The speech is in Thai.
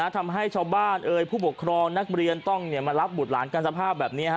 ทำให้ชาวบ้านผู้ปกครองนักเรียนต้องมารับบุตรหลานกันสภาพแบบนี้